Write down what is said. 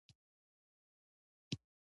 یورانیم د افغانستان په طبیعت کې مهم رول لري.